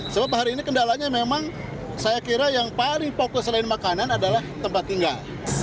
sebab hari ini kendalanya memang saya kira yang paling fokus selain makanan adalah tempat tinggal